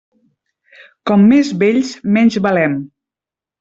Com més vells, menys valem.